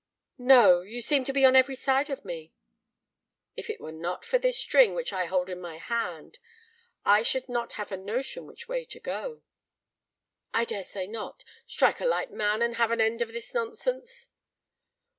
"No; you seem to be on every side of me." "If it were not for this string which I hold in my hand I should not have a notion which way to go." "I dare say not. Strike a light, man, and have an end of this nonsense."